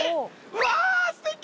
うわすてき！